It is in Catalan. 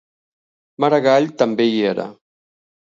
Maragall també hi era.